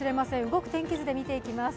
動く天気図で見ていきます。